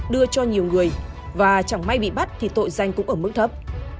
đưa cho nhiều người và chẳng may bị bắt thì tội danh cũng ở mức thấp